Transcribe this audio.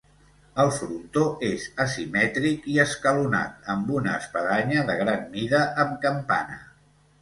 El frontó és asimètric i escalonat, amb una espadanya de gran mida amb campana.